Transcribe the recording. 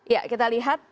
ya kita lihat